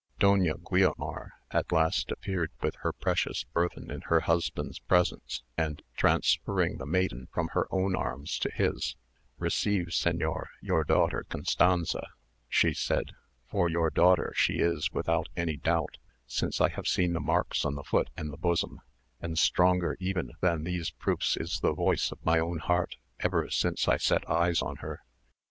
Doña Guiomar at last appeared with her precious burthen in her husband's presence, and transferring the maiden from her own arms to his, "Receive, Señor, your daughter Constanza," she said; "for your daughter she is without any doubt, since I have seen the marks on the foot and the bosom; and stronger even than these proofs is the voice of my own heart ever since I set eyes on her."